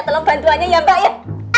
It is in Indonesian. tolong bantuannya ya mbak ya